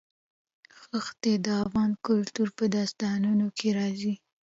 ښتې د افغان کلتور په داستانونو کې راځي.